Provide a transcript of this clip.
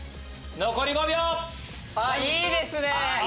いいですね！